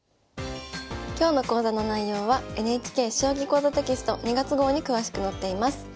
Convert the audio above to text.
今日の講座の内容はＮＨＫ「将棋講座」テキスト２月号に詳しく載っています。